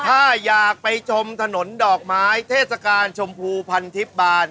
ถ้าอยากไปชมถนนดอกไม้เทศกาลชมพูพันธิบาล